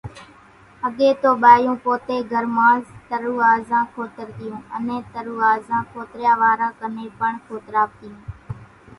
اڳيَ تو ٻايوُن پوتيَ گھر مانز ترُووازان کوترتيون، انين ترُووازان کوتريا واران ڪنين پڻ کوتراوتيون۔